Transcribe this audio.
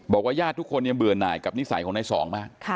บอกว่าญาติทุกคนยังเบื่อหน่ายกับนิสัยของนายสองมาก